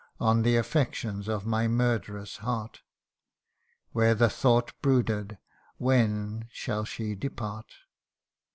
On the affections of my murderous heart, Where the thought brooded, when shall she depart